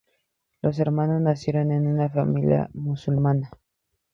Los hermanos nacieron en una familia musulmana.